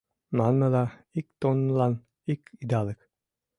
Манмыла, ик тоннлан — ик идалык.